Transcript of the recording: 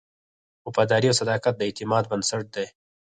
وفاداري او صداقت د اعتماد بنسټ دی.